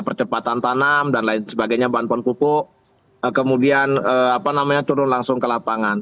percepatan tanam dan lain sebagainya bahan pon pupuk kemudian turun langsung ke lapangan